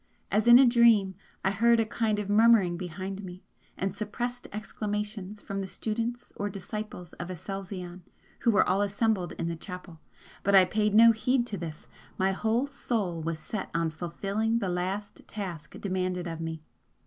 As in a dream I heard a kind of murmuring behind me and suppressed exclamations from the students or disciples of Aselzion who were all assembled in the chapel but I paid no heed to this my whole soul was set on fulfilling the last task demanded of me.